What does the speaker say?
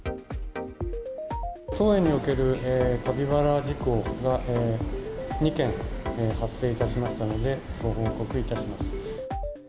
当園におけるカピバラ事故が２件、発生いたしましたので、ご報告いたします。